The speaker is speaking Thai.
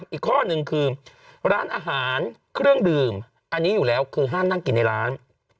อีกข้อหนึ่งคือร้านอาหารเครื่องดื่มอันนี้อยู่แล้วคือห้ามนั่งกินในร้าน